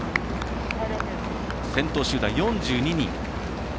先頭集団、４２人。